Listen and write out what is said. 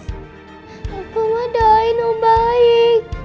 aku mau doain ong baik